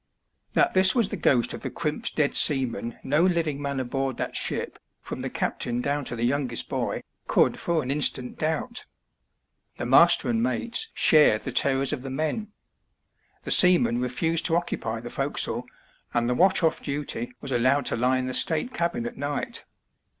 That this was the ghost of the crimp's dead seaman no living man aboard that ship, from the captain down to the youngest boy, could for an instant doubt. The master and mates shared the terrors of the men ; the seamen refused to occupy the forecastle, and the watch off duty was allowed to lie in the state cabin at night.